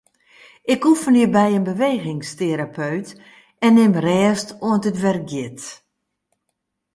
Ik oefenje by in bewegingsterapeut en nim rêst oant it wer giet.